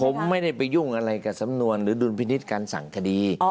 ผมไม่ได้ไปยุ่งอะไรกับสำนวนหรือดุลพินิษฐ์การสั่งคดี